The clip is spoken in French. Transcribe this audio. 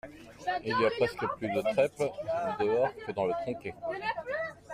il y a presque plus de trèpe dehors que dans le troquet.